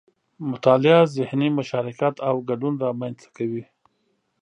مطالعه ذهني مشارکت او ګډون رامنځته کوي